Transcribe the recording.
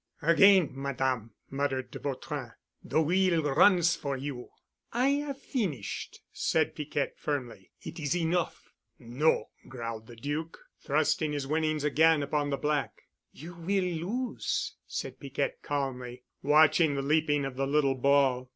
"Again, Madame," muttered de Vautrin, "the wheel runs for you." "I have finished," said Piquette firmly. "It is enough." "No," growled the Duc, thrusting his winnings again upon the black. "You will lose," said Piquette calmly, watching the leaping of the little ball.